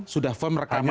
sudah firm rekamannya